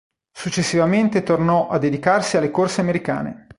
Successivamente tornò a dedicarsi alle corse americane.